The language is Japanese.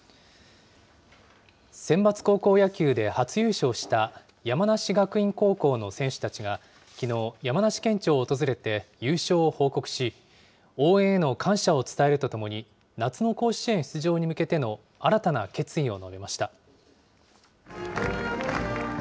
センバツ高校野球で初優勝した山梨学院高校の選手たちがきのう、山梨県庁を訪れて優勝を報告し、応援への感謝を伝えるとともに、夏の甲子園出場に向けての新たな決意を述べました。